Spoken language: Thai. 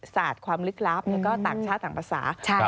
ศาสตร์ความลึกลับแล้วก็ต่างชาติต่างภาษา